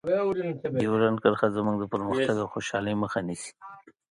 ډیورنډ کرښه زموږ د پرمختګ او خوشحالۍ مخه نیسي.